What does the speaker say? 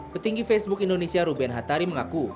petinggi facebook indonesia ruben hatari mengaku